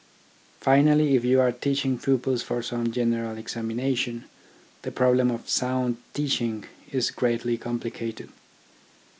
Finally, if you are teaching pupils for some general examination, the problem of sound teaching is greatly complicated.